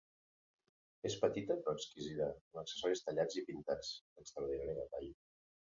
És petita, però exquisida, amb accessoris tallats i pintats, d'extraordinari detall.